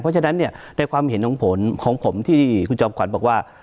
เพราะฉะนั้นในความเห็นของผมที่คุณจอบขวัญบอกว่า